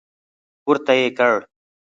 پورته يې کړ.